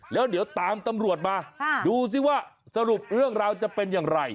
แล้วเดี๋ยวตามตำรวจมาดูสิว่าสรุปเรื่องราวจะเป็นอย่างไร